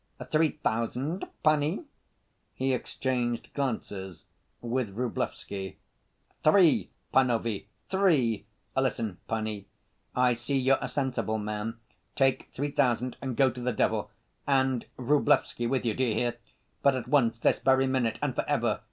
"Three thousand, panie?" He exchanged glances with Vrublevsky. "Three, panovie, three! Listen, panie, I see you're a sensible man. Take three thousand and go to the devil, and Vrublevsky with you—d'you hear? But, at once, this very minute, and for ever.